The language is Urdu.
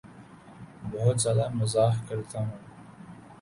بہت زیادہ مزاح کرتا ہوں